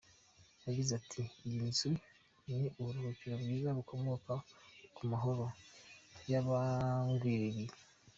Yagize ati “ Iyi nzu ni uburuhukiro bwiza bukomoka ku mahano yabagwiririye “.